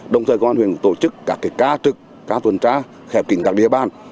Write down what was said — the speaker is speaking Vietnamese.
đồng thời công an huyện cũng tổ chức các ca trực ca tuần tra khép kính các địa bàn